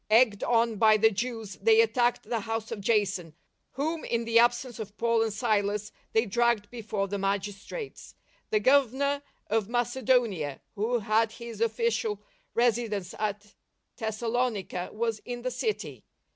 Egged on by the Jews they attacked the house of Jason, whom, in the absence of Paul and Silas, they dragged before the magistrates. The Gover nor of Macedonia, who had his official resi dence at Thessalonica, was in the city.